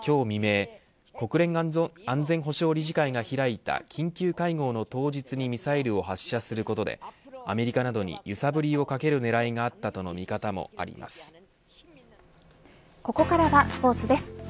未明国連安全保障理事会が開いた緊急会合の当日にミサイルを発射することでアメリカなどに揺さぶりをかける狙いがここからはスポーツです。